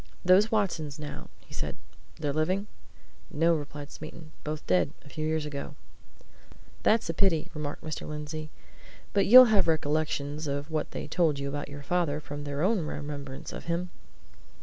"Those Watsons, now," he said. "They're living?" "No," replied Smeaton. "Both dead a few years ago." "That's a pity," remarked Mr. Lindsey. "But you'll have recollections of what they told you about your father from their own remembrance of him?"